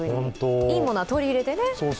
いいものは取り入れてね。